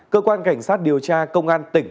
cơ quan cảnh sát điều tra công an tỉnh